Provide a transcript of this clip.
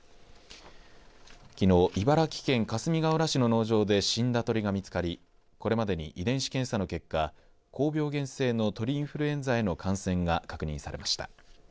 きのう、茨城県かすみがうら市の農場で死んだ鶏が見つかりこれまでに遺伝子検査の結果高病原性の鳥インフルエンザへの感染が確認されました。